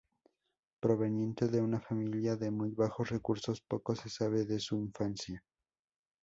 Proveniente de una familia de muy bajos recursos, poco se sabe de su infancia.